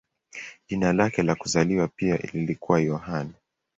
Jina lake la kuzaliwa pia lilikuwa Yohane.